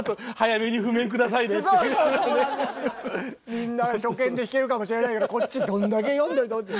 みんな初見で弾けるかもしれないけどこっちどんだけ読んでるのって。